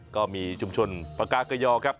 ก็มีชุมชนปากากะยอครับ